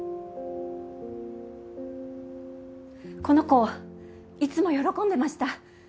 この子いつも喜んでました。